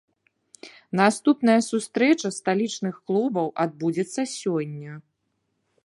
Наступная сустрэча сталічных клубаў адбудзецца сёння.